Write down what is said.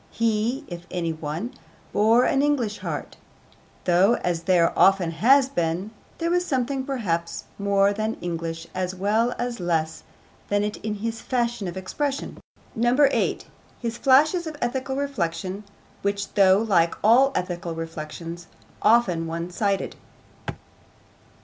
He, if any one, bore an English heart, though, as there often has been, there was something perhaps more than English as well as less than it in his fashion of expression. 8. His flashes of ethical reflection, which, though like all ethical reflections often one sided.